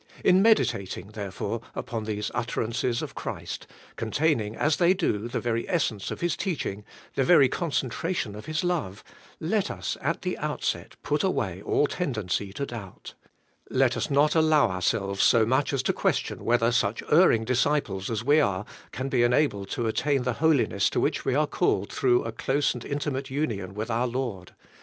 In meditating, therefore, upon these utter ances of Christ, containing as they do the very essence of His teaching, the very concentration of His love, let us, at the outset, put away all tende7icy to doubt. Let us not alloiu ourselves so much as to question whether such erring disciples as we are can le enalled to attain the holiness to which we are called through a close and intimate union with our Lord.